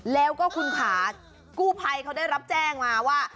แล้วก็คุณขากู้ภัยเขาได้รับแจ้งมาว่า